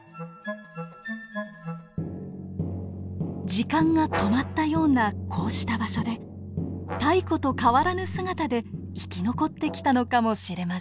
時間が止まったようなこうした場所で太古と変わらぬ姿で生き残ってきたのかもしれません。